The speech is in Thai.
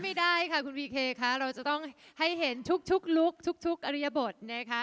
ไม่ได้ค่ะคุณพีเคค่ะเราจะต้องให้เห็นทุกลุคทุกอริยบทนะคะ